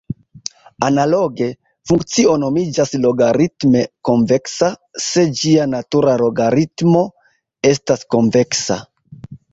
Analoge, funkcio nomiĝas logaritme konveksa se ĝia natura logaritmo estas konveksa.